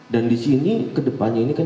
dan di sini ke depannya ini kan